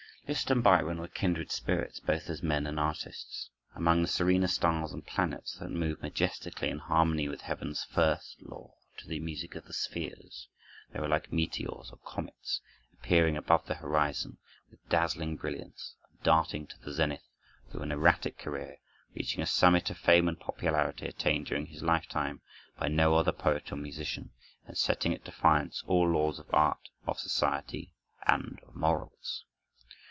Liszt and Byron were kindred spirits, both as men and artists. Among the serener stars and planets that move majestically in harmony with heaven's first law, to the music of the spheres, they were like meteors or comets, appearing above the horizon with dazzling brilliance, and darting to the zenith, through an erratic career, reaching a summit of fame and popularity, attained during his lifetime by no other poet or musician, and setting at defiance all laws of art, of society, and of morals.